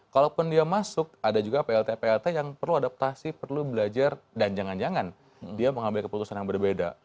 kalaupun dia masuk ada juga plt plt yang perlu adaptasi perlu belajar dan jangan jangan dia mengambil keputusan yang berbeda